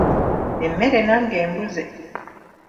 Emmere nange embuze.